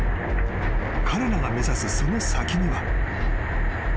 ［彼らが目指すその先には］